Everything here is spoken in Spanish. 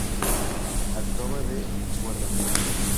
Actuaba de guardameta.